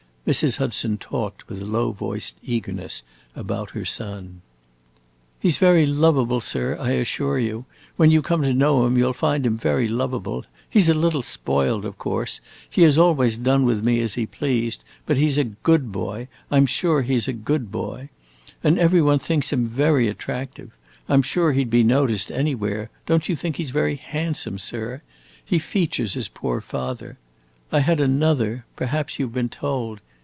Mrs. Hudson talked with low voiced eagerness about her son. "He 's very lovable, sir, I assure you. When you come to know him you 'll find him very lovable. He 's a little spoiled, of course; he has always done with me as he pleased; but he 's a good boy, I 'm sure he 's a good boy. And every one thinks him very attractive: I 'm sure he 'd be noticed, anywhere. Don't you think he 's very handsome, sir? He features his poor father. I had another perhaps you 've been told.